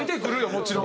もちろん。